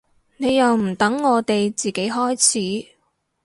你又唔等我哋自己開始